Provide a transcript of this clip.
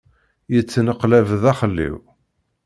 yettneqlab daxxel-iw.